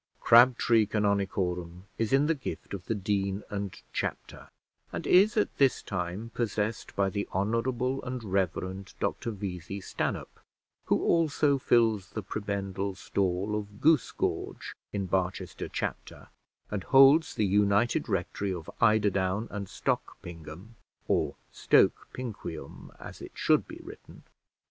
Crabtree Canonicorum is in the gift of the dean and chapter, and is at this time possessed by the Honourable and Reverend Dr Vesey Stanhope, who also fills the prebendal stall of Goosegorge in Barchester Chapter, and holds the united rectory of Eiderdown and Stogpingum, or Stoke Pinquium, as it should be written.